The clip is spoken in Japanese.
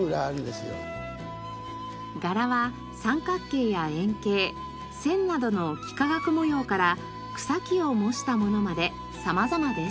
柄は三角形や円形線などの幾何学模様から草木を模したものまでさまざまです。